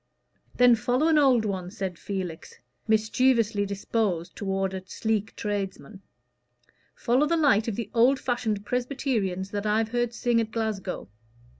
"Then follow an old one," said Felix, mischievously disposed toward a sleek tradesman. "Follow the light of the old fashioned Presbyterians that I've heard sing at Glasgow.